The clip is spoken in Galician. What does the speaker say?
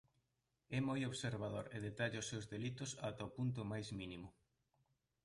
É moi observador e detalla os seus delitos ata o punto máis mínimo.